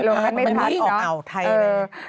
ลมมันไม่พัดมันไม่ออกอ่าวไทยเลย